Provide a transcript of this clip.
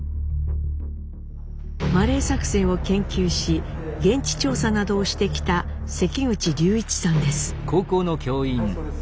マレー作戦を研究し現地調査などをしてきた関口竜一さんです。